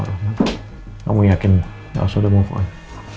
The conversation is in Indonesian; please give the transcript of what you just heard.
kamu yakin gak usah udah move on